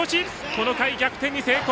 この回、逆転に成功。